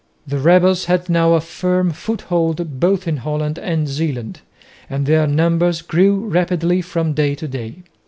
The rebels had now a firm foothold both in Holland and Zeeland, and their numbers grew rapidly from day to day.